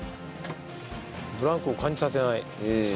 ブランクを感じさせない。